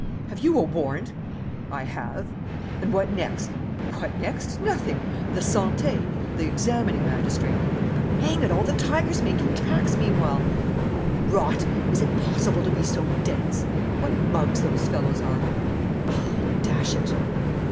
"Have you a warrant?" "I have." "And what next?" "What next? Nothing: the Sante the examining magistrate " "But, hang it all, the tiger's making tracks meanwhile! Oh, rot! Is it possible to be so dense? What mugs those fellows are! Oh, dash it!"